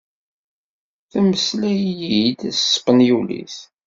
Temmeslay-yi-d s tespenyulit.